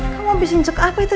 kamu abis cincuk apa itu